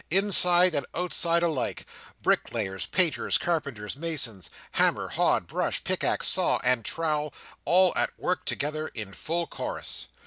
Inside and outside alike: bricklayers, painters, carpenters, masons: hammer, hod, brush, pickaxe, saw, and trowel: all at work together, in full chorus!